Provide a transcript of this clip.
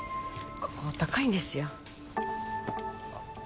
ここ高いんですよあっ